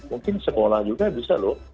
mungkin sekolah juga bisa loh